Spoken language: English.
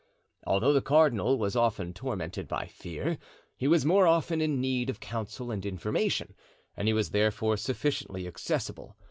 Although the cardinal was often tormented by fear, he was more often in need of counsel and information, and he was therefore sufficiently accessible.